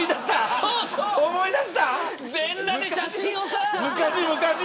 全裸で写真をさ。